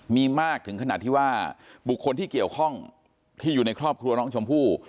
มีมากถึงขนาดที่ว่าบุคคลที่เกี่ยวข้องที่อยู่ในครอบครัวน้องชมพู่